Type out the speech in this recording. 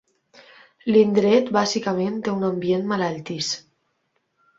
L'indret bàsicament té un ambient malaltís.